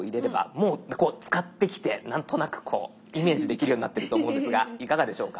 もう使ってきて何となくこうイメージできるようになってると思うんですがいかがでしょうか？